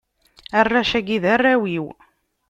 arrac-agi, d arraw-iw.